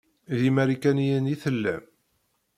D imarikaniyen i tellam?